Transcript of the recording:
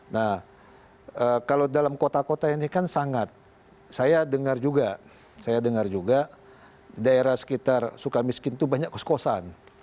nah kalau dalam kota kota ini kan sangat saya dengar juga saya dengar juga daerah sekitar sukamiskin itu banyak kos kosan